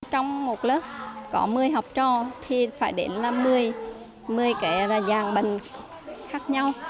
trong một lớp có một mươi học trò thì phải đến là một mươi một mươi cái là dàng bằng khác nhau